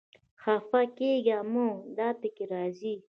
خپه کېږه مه، دا پکې راځي